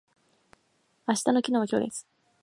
明日の昨日は今日です。